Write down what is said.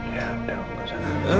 ya enggak salah